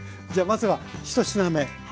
じゃあまずは１品目